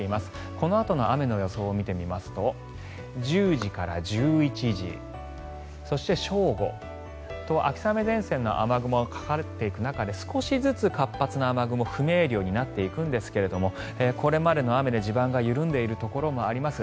このあとの雨の予想を見てみますと１０時から１１時、そして正午と秋雨前線の雨雲がかかっていく中で少しずつ活発な雨雲不明瞭になっていくんですがこれまでの雨で地盤が緩んでいるところもあります。